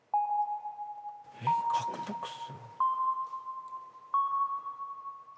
えっ獲得数？